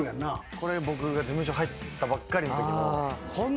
これ僕が事務所入ったばっかりのときの。